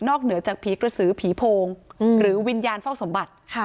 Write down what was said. เหนือจากผีกระสือผีโพงหรือวิญญาณเฝ้าสมบัติ